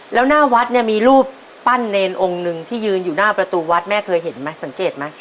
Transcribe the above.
แล้วหน้าวัดเนี่ยมีรูปปั้นเนรองค์หนึ่งที่ยืนอยู่หน้าประตูวัดแม่เคยเห็นไหมสังเกตไหม